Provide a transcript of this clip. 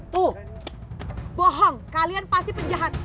tuh bohong kalian pasti penjahat